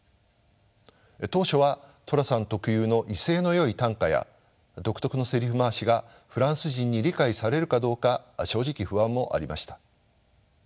当初は寅さん特有の威勢のよい啖呵や独特のセリフ回しがフランス人に理解されるかどうか正直不安もありました。